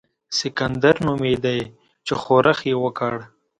سکندر نومېدی چې ښورښ یې کړ.